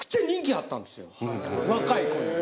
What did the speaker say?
若い子に。